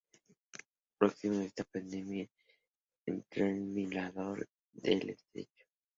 Próximo a esta pedanía se encuentra el Mirador del Estrecho.